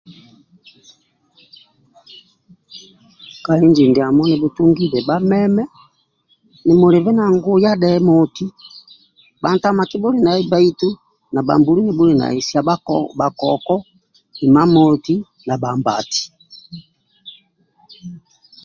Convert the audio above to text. Ka inji ndiamo nibhutungibe bhameme nimuliku na nguya dhe moti bhantama kibhuli nai bbaitu bhambulu nibhuli na sa bhako bhakoko imamoti na bhambati